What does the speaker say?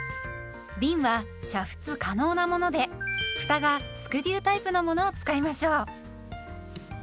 びんは煮沸可能なものでふたがスクリュータイプのものを使いましょう。